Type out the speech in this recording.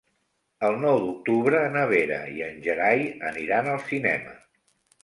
El nou d'octubre na Vera i en Gerai aniran al cinema.